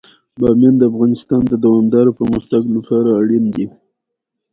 بامیان د افغانستان د دوامداره پرمختګ لپاره اړین دي.